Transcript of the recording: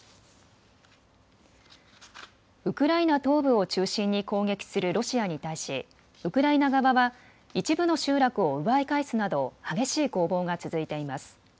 ウクライナ東部を中心に攻撃するロシアに対しウクライナ側は一部の集落を奪い返すなど激しい攻防が続いています。